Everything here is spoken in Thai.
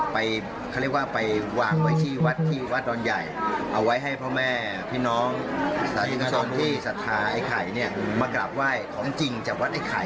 พ่อแม่พี่น้องสาธิตรวจที่สัทธาไอ้ไข่เนี่ยมากราบไหว้ของจริงจากวัดไอ้ไข่